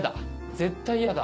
絶対嫌だ。